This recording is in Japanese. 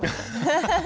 ハハハ。